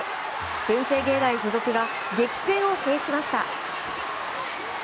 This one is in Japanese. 文星芸大附属が激戦を制しました。